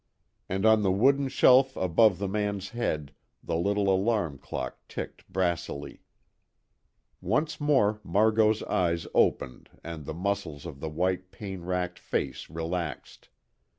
And on the wooden shelf above the man's head the little alarm clock ticked brassily. Once more Margot's eyes opened and the muscles of the white pain racked face relaxed.